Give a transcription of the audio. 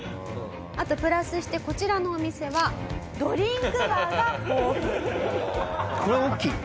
あとプラスしてこちらのお店はドリンクバーが豊富。